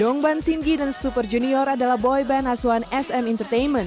dongban singgi dan super junior adalah boyband asuhan sm entertainment yang memiliki banyak pelestarian